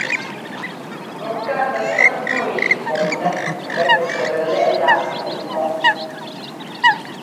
Ŋká nɛkwɛt yúujʉ pɔŋnɛ́ pɛ tsɛtsɛt lɛ́ꞌláꞌ kuꞌmɔ.